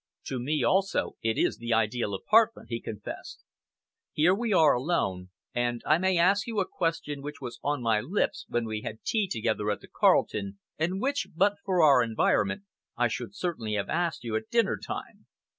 "To me, also, it is the ideal apartment," he confessed. "Here we are alone, and I may ask you a question which was on my lips when we had tea together at the Carlton, and which, but for our environment, I should certainly have asked you at dinner time."